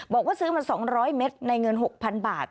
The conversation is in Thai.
บอกว่าซื้อมา๒๐๐เมตรในเงิน๖๐๐๐บาท